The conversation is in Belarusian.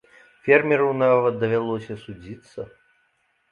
Фермеру нават давялося судзіцца.